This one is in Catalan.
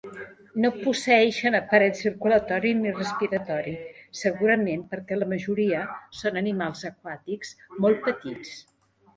No posseïxen aparell circulatori ni respiratori, segurament perquè la majoria són animals aquàtics molt petits.